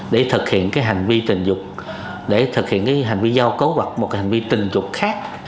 để thực hiện cái hành vi tình dục để thực hiện hành vi giao cấu hoặc một hành vi tình dục khác